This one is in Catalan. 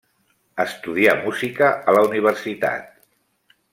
Estudià música a la universitat.